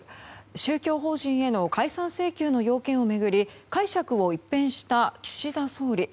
宗教法人への解散請求の要件を巡り解釈を一変した岸田総理。